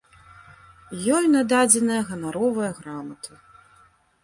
Ёй нададзеная ганаровая грамата.